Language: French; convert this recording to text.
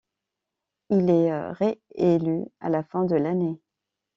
Il est réélu à la fin de l'année.